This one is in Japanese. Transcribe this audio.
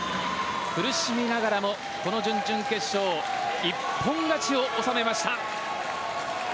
苦しみながらもこの準々決勝一本勝ちを収めました。